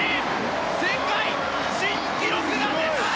世界新記録が出た！